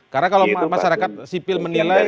karena kalau masyarakat sipil menilai